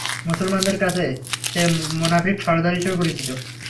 মুসলমানদের কাছে সে মুনাফিক সর্দার হিসেবে পরিচিত।